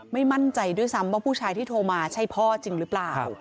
ไม่มั่นใจด้วยซ้ำว่าผู้ชายที่โทรมาใช่พ่อจริงหรือเปล่า